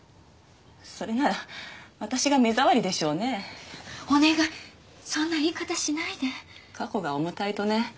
それなら私が目障りでしょうねお願いそんな言い方しないで過去が重たいとね